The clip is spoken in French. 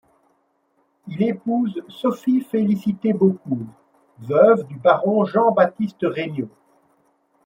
Il épouse Sophie-Félicité Beaucourt, veuve du baron Jean-Baptiste Regnault.